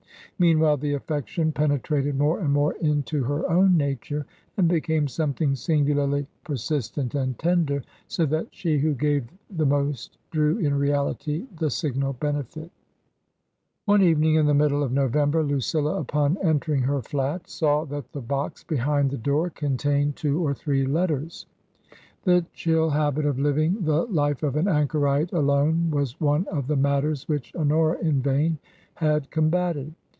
Meanwhile, the affection penetrated more and more into her own nature and became something singularly per sistent and tender, so that she who gave the most drew, in reality, the signal benefit. 264 TRANSITION. One evening in the middle of November, Lucilla, upon entering her flat, saw that the box behind the door con tained two or three letters. The chill habit of living the life of an anchorite alone was one of the matters which Honora in vain had combated.